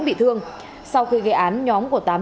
bị thương sau khi gây án nhóm của tám